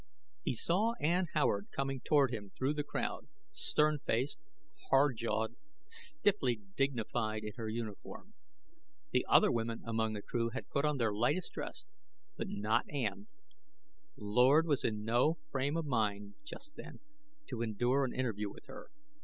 He saw Ann Howard coming toward him through the crowd stern faced, hard jawed, stiffly dignified in her uniform. The other women among the crew had put on their lightest dress, but not Ann. Lord was in no frame of mind, just then, to endure an interview with her.